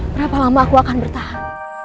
berapa lama aku akan bertahan